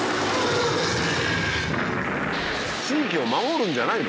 地域を守るんじゃないの？